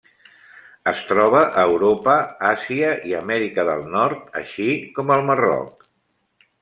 Es troba a Europa, Àsia i Amèrica del Nord, així com al Marroc.